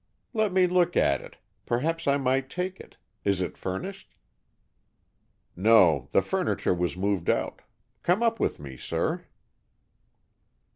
"Let me look at it. Perhaps I might take it. Is it furnished?" "No, the furniture was moved out. Come up with me, sir."